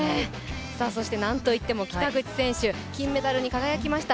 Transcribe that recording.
何と言っても北口選手、金メダルに輝きました。